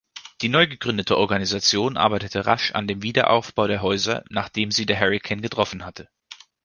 Die neugegründete Organisation arbeitete rasch an dem Wiederaufbau der Häuser, nachdem sie der Hurrikan getroffen hatte.